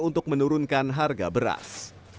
untuk menurunkan harga beras